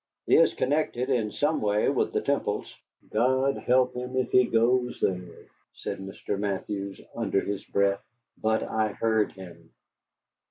He is connected in some way with the Temples." "God help him if he goes there," said Mr. Mathews, under his breath. But I heard him.